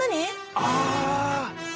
ああ！